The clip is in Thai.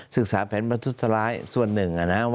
ศึกษาแผนประทุษร้ายส่วนหนึ่ง